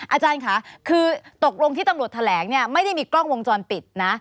อาจารย์ค่ะคือตกลงที่ตำรวจแถลงเนี่ยไม่ได้มีกล้องวงจรปิดนะ